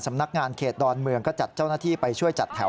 สำนักงานเขตดอนเมืองก็จัดเจ้าหน้าที่ไปช่วยจัดแถว